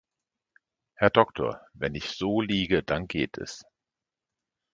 Herr Doktor, wenn ich so liege, dann geht es.